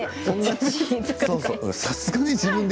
さすがに自分で。